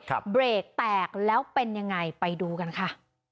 เบรกแตกแล้วเป็นยังไงไปดูกันค่ะ